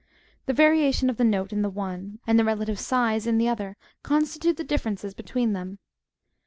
The varia tion of the note in the one, and the relative size in the other, constitute the differences between them.